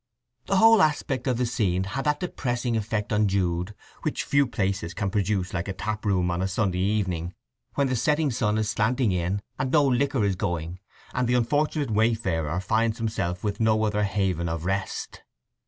The whole aspect of the scene had that depressing effect on Jude which few places can produce like a tap room on a Sunday evening when the setting sun is slanting in, and no liquor is going, and the unfortunate wayfarer finds himself with no other haven of rest.